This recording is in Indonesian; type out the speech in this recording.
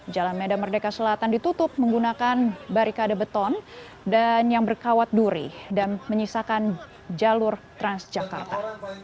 jalan medan merdeka selatan ditutup menggunakan barikade beton dan yang berkawat duri dan menyisakan jalur transjakarta